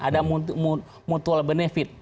ada mutual benefit